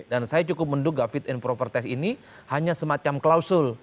dan saya cukup menduga fit and proper test ini hanya semacam klausus